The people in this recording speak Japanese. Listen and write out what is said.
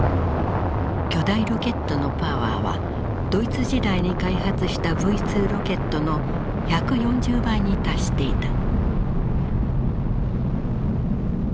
巨大ロケットのパワーはドイツ時代に開発したＶ２ロケットの１４０倍に達していた。